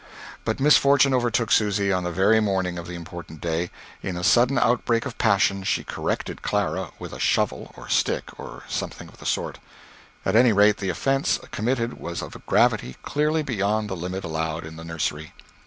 But misfortune overtook Susy on the very morning of the important day. In a sudden outbreak of passion, she corrected Clara with a shovel, or stick, or something of the sort. At any rate, the offence committed was of a gravity clearly beyond the limit allowed in the nursery.